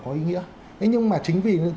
có ý nghĩa nhưng mà chính vì